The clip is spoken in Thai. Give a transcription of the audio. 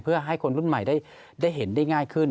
เพื่อให้คนรุ่นใหม่ได้เห็นได้ง่ายขึ้น